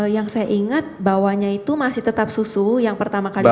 yang saya ingat bawahnya itu masih tetap susu yang pertama kali